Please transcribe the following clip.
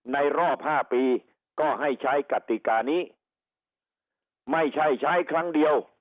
รอบ๕ปีก็ให้ใช้กติกานี้ไม่ใช่ใช้ครั้งเดียว